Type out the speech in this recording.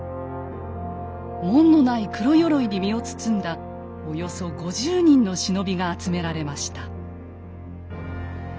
紋のない黒よろいに身を包んだおよそ５０人の忍びが集められました。